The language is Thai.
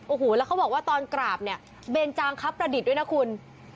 โอ้โหแล้วเขาบอกว่าตอนกราบเนี่ยเบนจางครับประดิษฐ์ด้วยนะคุณ